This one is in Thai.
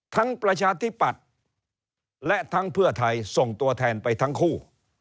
ประชาธิปัตย์และทั้งเพื่อไทยส่งตัวแทนไปทั้งคู่